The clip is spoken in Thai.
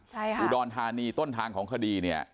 อุดรธานีต้นทางของคดีเนี่ย